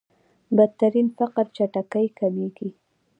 بدترين فقر چټکۍ کمېږي.